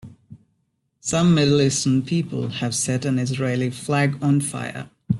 Some middle eastern people have set an Israeli flag on fire.